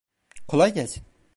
Kolay gelsin.